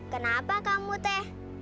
kenapa kamu teh